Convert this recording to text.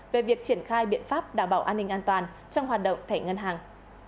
về việc triển khai biện pháp đảm bảo an ninh an toàn trong hoạt động thẻ ngân hàng